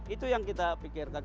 itu yang kita pikirkan